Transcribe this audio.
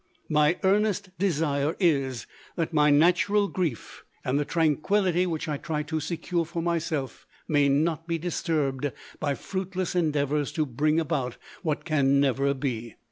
My earnest desire is, that my natural grief, and the tranquillity LODORE. 243 which I try to secure for myself, may not be di> turbed by fruitless endeavours to bring about what can never be.